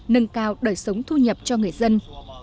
nâng cao đời sống thu nhập cho người dân